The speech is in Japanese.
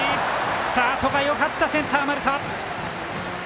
スタートがよかったセンター、丸田。